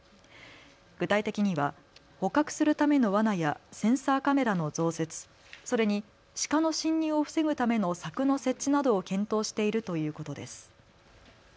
具体的には捕獲するためのわなやセンサーカメラの増設、それにシカの侵入を防ぐための柵の設置などを検討しているということです。